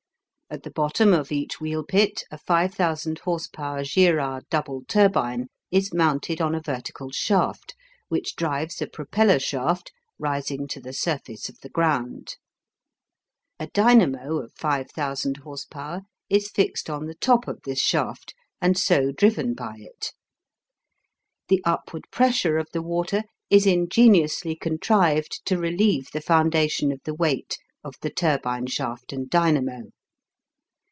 At the bottom of each wheel pit a 5000 horse power Girard double turbine is mounted on a vertical shaft, which drives a propeller shaft rising to the surface of the ground; a dynamo of 5000 horse power is fixed on the top of this shaft, and so driven by it. The upward pressure of the water is ingeniously contrived to relieve the foundation of the weight of the turbine shaft and dynamo.